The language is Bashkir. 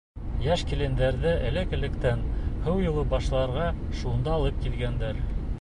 Йәш килендәрҙе элек-электән «һыу юлы башларға» шунда алып килгәндәр.